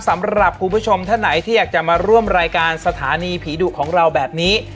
สำหรับคุณผู้ชมท่านไหนที่อยากจะมาร่วมรายการสถานีผีดุของเราแบบนี้